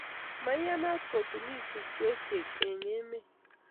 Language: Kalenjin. Miyanat kutunis tupchosiek eng' emet